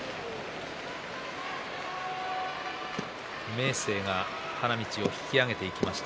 明生が花道を引き揚げてきました。